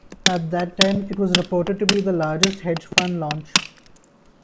At that time, it was reported to be the largest hedge fund launch.